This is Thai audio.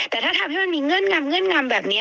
แต่ถ้าจะจะมีเงื่อนงามแบบนี้